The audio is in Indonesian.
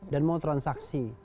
dan mau transaksi